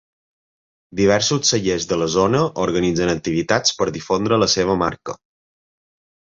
Diversos cellers de la zona organitzen activitats per difondre la seva marca.